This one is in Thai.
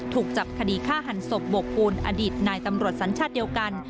ถูกจับคดีฆ่าหันศพบกปูนอดีตนายตำรวจสัญชาติเดียวกัน